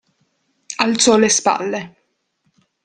Alzò le spalle.